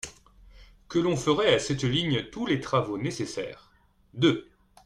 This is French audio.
que l'on ferait à cette ligne tous les travaux nécessaires ; deux°.